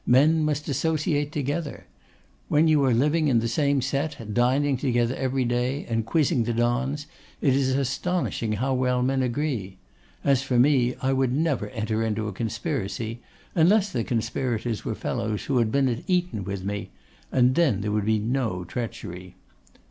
Men must associate together. When you are living in the same set, dining together every day, and quizzing the Dons, it is astonishing how well men agree. As for me, I never would enter into a conspiracy, unless the conspirators were fellows who had been at Eton with me; and then there would be no treachery.